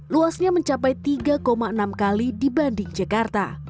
luasnya mencapai tiga enam kali dibanding jakarta